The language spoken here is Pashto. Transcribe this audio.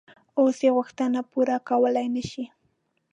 اوس یې غوښتنې پوره کولای نه شي.